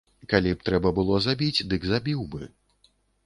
Калі б трэба было забіць, дык забіў бы.